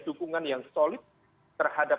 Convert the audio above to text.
dukungan yang solid terhadap